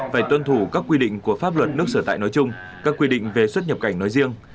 phải tuân thủ các quy định của pháp luật nước sở tại nói chung các quy định về xuất nhập cảnh nói riêng